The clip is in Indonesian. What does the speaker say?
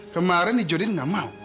kemarin nih jodin ga mau